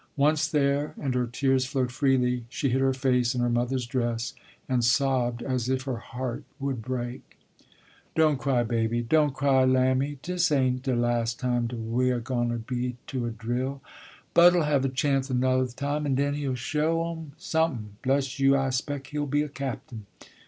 Once there and her tears flowed freely; she hid her face in her mother's dress, and sobbed as if her heart would break. "Don't cry, Baby! don't cry, Lammie, dis ain't da las' time da wah goin' to be a drill. Bud'll have a chance anotha time and den he'll show 'em somethin'; bless you, I spec' he'll be a captain."